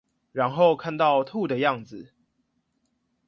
然後看到吐的樣子